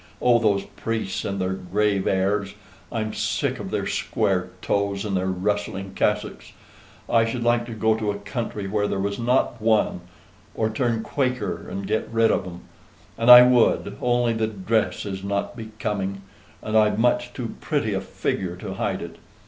Oh, those priests and their grave airs! I'm sick of their square toes and their rustling cassocks. I should like to go to a country where there was not one, or turn Quaker, and get rid of 'em; and I would, only the dress is not becoming, and I've much too pretty a figure to hide it.